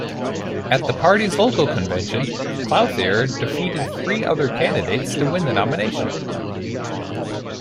At the party's local convention, Clouthier defeated three other candidates to win the nomination.